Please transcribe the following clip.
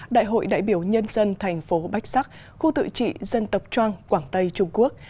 đại hội đại biểu nhân dân thành phố bách sắc khu tự trị dân tộc trang quảng tây trung quốc